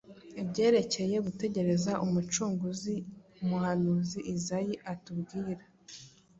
Ibyerekeye gutegereza Umucunguzi, umuhanuzi Izayi atubwira,